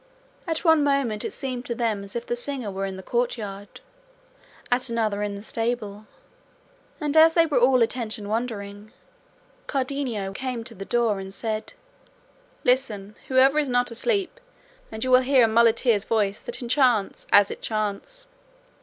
At one moment it seemed to them as if the singer were in the courtyard, at another in the stable; and as they were all attention, wondering, Cardenio came to the door and said, "Listen, whoever is not asleep, and you will hear a muleteer's voice that enchants as it chants."